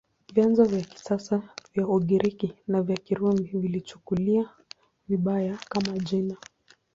Vyanzo vya kisasa vya Ugiriki na vya Kirumi viliichukulia vibaya, kama jina.